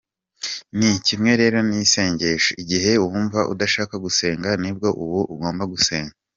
Ni kimwe rero n’isengesho ; igihe wumva udashaka gusenga ni bwo uba ugomba gusenga.